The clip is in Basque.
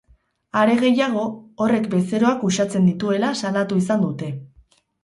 Are gehiago, horrek bezeroak uxatzen dituela salatu izan dute.